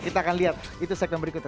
kita akan lihat itu segmen berikutnya